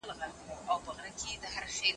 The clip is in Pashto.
زه به خپله وروستۍ هڅه په ډېرې مېړانې سره وکړم.